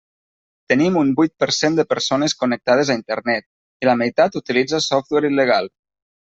Tenim un vuit per cent de persones connectades a Internet, i la meitat utilitza software il·legal.